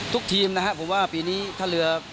ทีมนะครับผมว่าปีนี้ถ้าเรือ